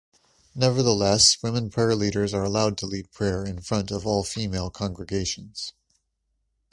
Nevertheless, women prayer leaders are allowed to lead prayer in front of all-female congregations.